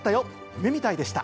夢みたいでした！